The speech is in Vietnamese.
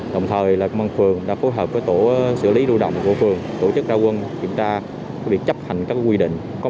đồng thời công an phường đã phối hợp với tổ xử lý đu động của phường